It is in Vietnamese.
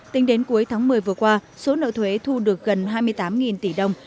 tính đến cuối tháng một mươi vừa qua số nợ thuế thu được gần hai mươi tám tỷ đồng